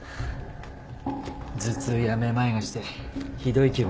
頭痛やめまいがしてひどい気分です。